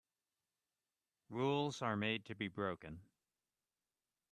Rules are made to be broken.